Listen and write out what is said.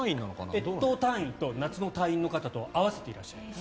越冬隊員と夏の隊員と合わせていらっしゃいます。